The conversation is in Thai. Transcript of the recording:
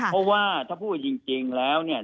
เพราะว่าถ้าพูดจริงแล้วเนี่ย